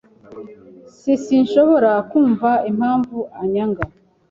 S Sinshobora kumva impamvu anyanga.